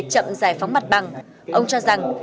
chậm giải phóng mặt bằng ông cho rằng